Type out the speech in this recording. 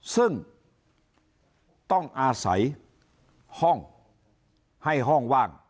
ซึ่งต้องอาศัยห้องให้ห้องว่าง